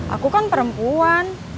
aku kan perempuan